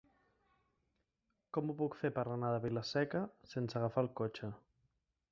Com ho puc fer per anar a Vila-seca sense agafar el cotxe?